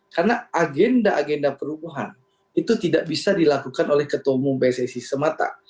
karena agenda agenda perubahan itu tidak bisa dilakukan oleh ketua umum pssi semata